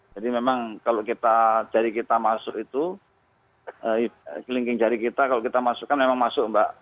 jadi memang kalau kita jari kita masuk itu kelingking jari kita kalau kita masukkan memang masuk mbak